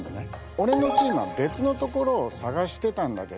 俺のチームは別の所を捜してたんだけども。